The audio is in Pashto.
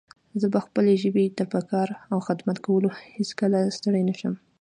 زه به خپلې ژبې ته په کار او خدمت کولو هيڅکله ستړی نه شم